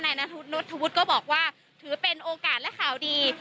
นุษวุฒิก็บอกว่าถือเป็นโอกาสและข่าวดี